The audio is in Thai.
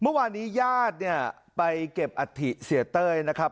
เมื่อวานี้ญาติไปเก็บอฐิเศรษฐิเต้ยนะครับ